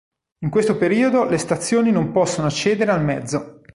In questo periodo le stazioni non possono accedere al mezzo.